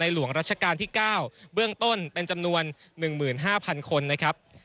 หลวงรัชกาลที่๙เบื้องต้นเป็นจำนวน๑๕๐๐คนนะครับ